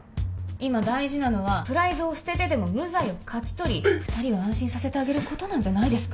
今大事なのはプライドを捨ててでも無罪を勝ち取り二人を安心させてあげることなんじゃないですか？